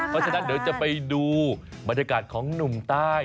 เพราะฉะนั้นเดี๋ยวจะไปดูบรรยากาศของหนุ่มใต้